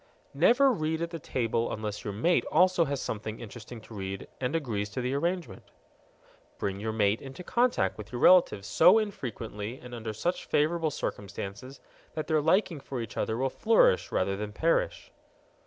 Never read at the table unless your mate also has something interesting to read and agrees to the arrangement. Bring your mate into contact with your relatives so infrequently and under such favorable circumstances that their liking for each other will flourish rather than perish.